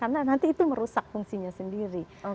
karena nanti itu merusak fungsinya sendiri